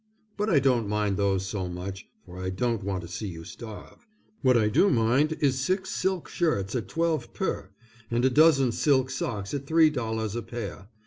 But I don't mind those so much for I don't want to see you starve. What I do mind is six silk shirts at twelve per, and a dozen silk sox at three dollars a pair.